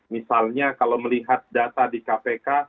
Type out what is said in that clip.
misalnya kalau melihat data di kpk